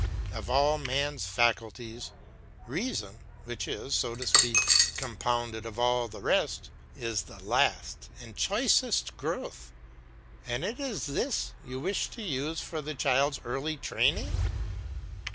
Of all man's faculties, reason, which is, so to speak, compounded of all the rest, is the last and choicest growth, and it is this you would use for the child's early training.